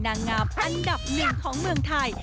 นางงามอันดับหนึ่งของเมืองไทย